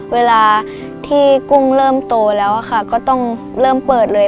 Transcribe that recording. เวลาที่กุ้งเริ่มโตแล้วค่ะก็ต้องเริ่มเปิดเลย